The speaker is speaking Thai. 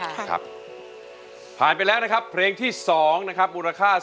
แล้วก็เห็นสายตามุ่งมั่นของคนที่เป็นลูกที่แม่นั่งอยู่ตรงนี้ด้วย